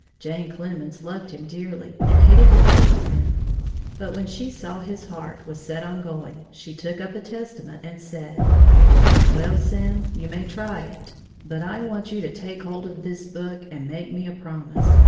Jane Clemens loved him dearly and hated to part with him, but when she saw his heart was set on going, she took up a testament and said: "Well, Sam, you may try it, but I want you to take hold of this book and make me a promise.